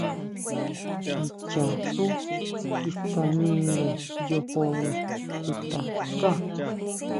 Kichaxú kiskanire yojore chuta ská.